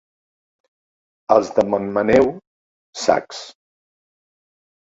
Els de Montmaneu, sacs.